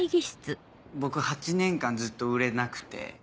僕８年間ずっと売れなくて。